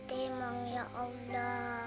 dan main boneka